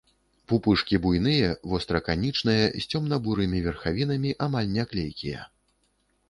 Пупышкі буйныя, востра-канічныя, з цёмна-бурымі верхавінамі, амаль не клейкія.